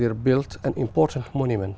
một bức tượng đặc biệt